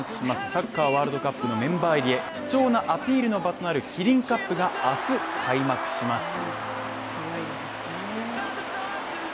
サッカーワールドカップのメンバー入りへ貴重なアピールの場となるキリンカップが明日開幕します。